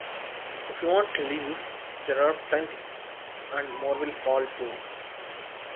if you want leaves there are plenty, and more will fall